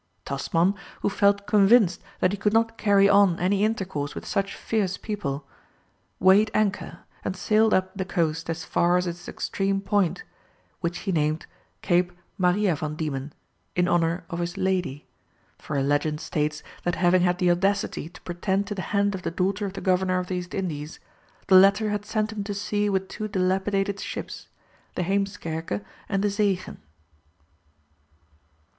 Tasman, who felt convinced that he could not carry on any intercourse with such fierce people, weighed anchor and sailed up the coast as far as its extreme point, which he named Cape Maria Van Diemen, in honour of his "lady," for a legend states that having had the audacity to pretend to the hand of the daughter of the governor of the East Indies, the latter had sent him to sea with two dilapidated ships, the Heemskerke and the Zeechen. [Illustration: Three were killed by the natives without provocation.